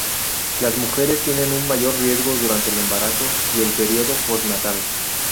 Las mujeres tienen un mayor riesgo durante el embarazo y el período postnatal.